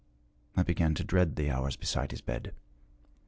I began to dread the hours beside his bed.